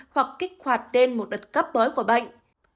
hoặc kích hoạt đến một đất cấp mới của bệnh